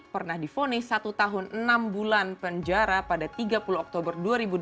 pernah difonis satu tahun enam bulan penjara pada tiga puluh oktober dua ribu dua puluh